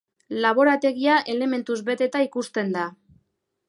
Laborategia elementuz beteta ikusten da.